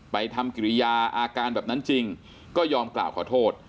ทำกิริยาอาการแบบนั้นจริงก็ยอมกล่าวขอโทษ